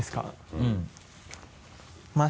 うん。